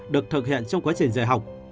được thực hiện trong quá trình giải học